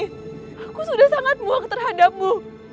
aku sudah sangat buang terhadapmu